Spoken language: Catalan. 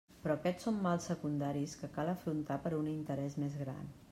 Però aquests són mals secundaris que cal afrontar per un interès més gran.